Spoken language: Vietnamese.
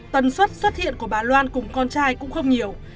tần suất xuất hiện của bà loan cùng con trai cũng không nhiều